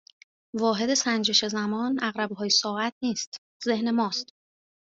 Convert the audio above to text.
واحد سنجش زمان عقربههای ساعت نیست ذهن ماست